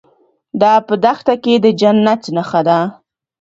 دا په دښته کې د جنت نښه ده.